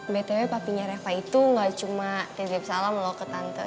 btw papinya reva itu nggak cuma titip salam loh ke tante